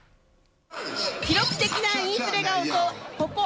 記録的なインフレが襲うここ